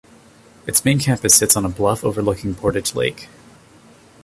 Its main campus sits on on a bluff overlooking Portage Lake.